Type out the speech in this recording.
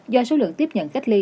do số lượng tiếp nhận cách ly